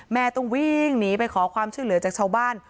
แม่ต้องวิ่งหนีไปขอความช่วยเหลือจากชาวบ้าน